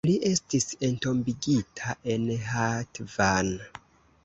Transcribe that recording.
Li estis entombigita en Hatvan.